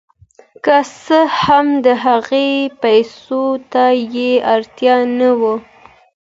که څه هم د هغه پیسو ته یې اړتیا نه وه.